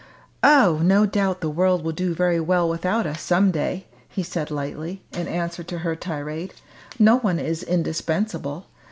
"Oh! no doubt the world will do very well without us some day," he said lightly, in answer to her tirade; "no one is indispensable.